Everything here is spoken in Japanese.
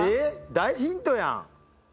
大ヒントやん。